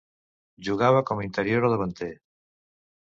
Jugava com a interior o davanter.